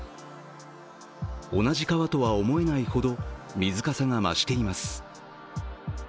同じ川とは思えないほど水かさが増しています